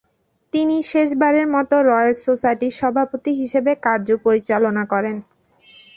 তিনি শেষবারের মত রয়েল সোসাইটির সভাপতি হিসেবে কার্য পরিচালনা করেন।